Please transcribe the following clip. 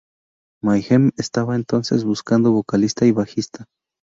Mayhem, estaba entonces buscando vocalista y bajista.